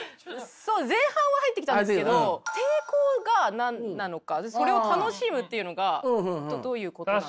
前半は入ってきたんですけど抵抗が何なのかそれを楽しむっていうのがどういうこと。